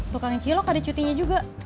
tukang cilok ada cutinya juga